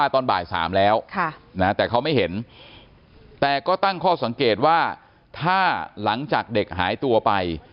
แต่ก็ตั้งข้อสังเกตว่าถ้าหลังจากเด็กหายตัวไป